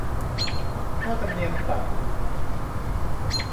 ค่าธรรมเนียมศาล